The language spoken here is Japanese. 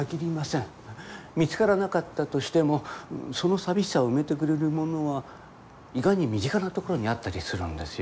見つからなかったとしてもその寂しさを埋めてくれるものは意外に身近なところにあったりするんですよ。